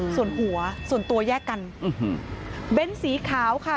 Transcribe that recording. ส่วนหัวส่วนตัวแยกกันเบ้นสีขาวค่ะ